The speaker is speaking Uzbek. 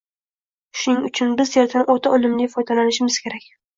Shuning uchun biz yerdan o‘ta unumli foydalanishimiz kerak.